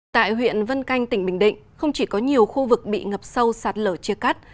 tại huyện vân canh tỉnh bình định không chỉ có nhiều khu vực bị ngập sâu sạt lở chia cắt